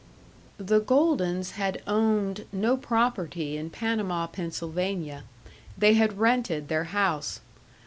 § 5 The Goldens had owned no property in Panama, Pennsylvania; they had rented their house.